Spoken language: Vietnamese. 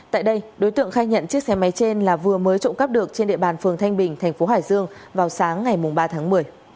tại đây đối tượng khai nhận chiếc xe máy trên là vừa mới trộm cắp được trên địa bàn phường thanh bình thành phố hải dương vào sáng ngày ba tháng một mươi